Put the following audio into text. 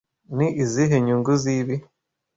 Ni izihe nyungu zibi?